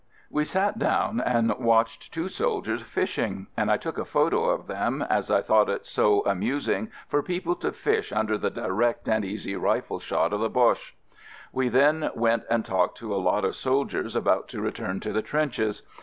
We sat down and watched two soldiers fishing, and I took a photo of them, as I thought it so amus ing for people to fish under the direct and easy rifle shot of the Boches. We then went and talked to a lot of soldiers about to return to the trenches.